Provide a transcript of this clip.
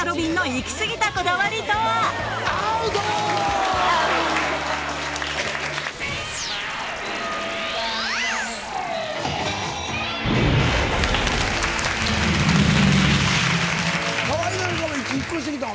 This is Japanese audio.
ドン引き河井なんかはいつ引っ越してきたん？